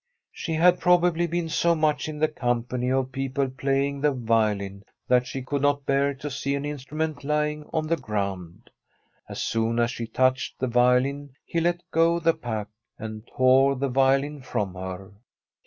She had probably been so much in the company of people playing the violin that she could not bear to see an instru ment lying on the ground. As soon as she touched the violin he let go the pack, and tore the violin from her.